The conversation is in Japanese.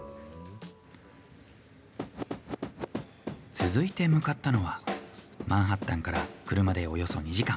続いて向かったのはマンハッタンから車でおよそ２時間。